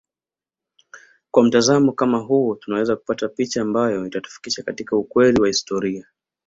Kwa mtazamo kama huo tunaweza kupata picha ambayo itatufikisha katika ukweli wa historia